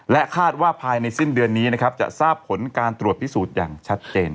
คาดว่าภายในสิ้นเดือนนี้นะครับจะทราบผลการตรวจพิสูจน์อย่างชัดเจน